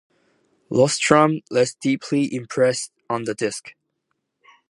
Rostrum less deeply impressed on the disk.